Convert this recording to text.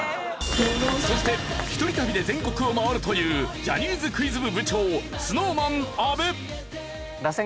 そして一人旅で全国を回るというジャニーズクイズ部部長ＳｎｏｗＭａｎ阿部。